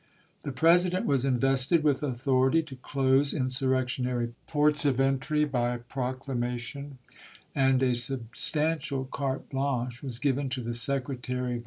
The President was invested vnth authority to close insurrection ary ports of entry by proclamation, and a sub stantial carte blanche was given to the Secretary of 376 ABRAHAM LINCOLN CHAP. XXI.